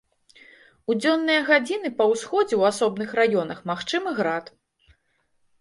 У дзённыя гадзіны па ўсходзе ў асобных раёнах магчымы град.